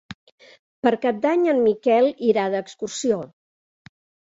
Per Cap d'Any en Miquel irà d'excursió.